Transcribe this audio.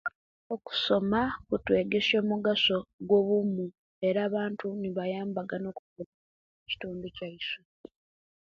Okusoma kutwegesya omugaso gwo wumu era abantu nebayambagana okuma owumu omkitundu kyaiswe